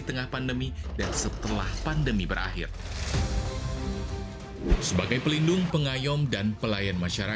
dengan tetap memperhatikan protokol